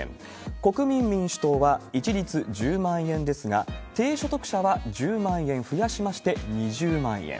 国民民主党は一律１０万円ですが、低所得者は１０万円増やしまして２０万円。